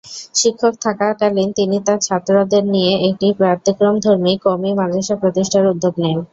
শিক্ষক থাকাকালীন তিনি তার ছাত্রদের নিয়ে একটি ব্যতিক্রমধর্মী কওমি মাদ্রাসা প্রতিষ্ঠার উদ্যোগ নেন।